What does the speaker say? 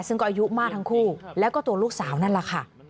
ซึ่งก็อายุมากทั้งคู่แล้วก็ตัวลูกสาวนั่นแหละค่ะ